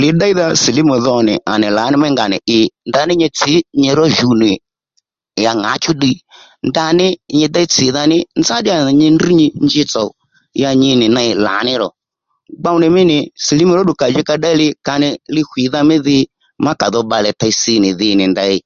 Lì ddéydha silimu dho nì à nì lǎní mí nga nì i ndaní nyi tsǐ nyi ró jǔw nì ya ŋǎchú ddiy ndaní nyi déy tsìdha ní nzá ddíya nzanà nyi ndrŕ nyi njitsò ya nyi nì ney lǎní ro gbow nì mí nì silimu ró ddù kà ji ka ddéy li ka nì liɦwidha mí dhi ma kàdho bbalé tey si nì dhi nì ndèy